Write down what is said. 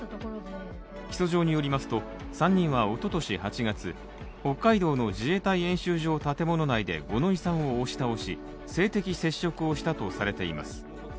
起訴状によりますと、３人はおととし８月北海道の自衛隊演習場建物内で五ノ井さんを押し倒し性的接触をしたとされています。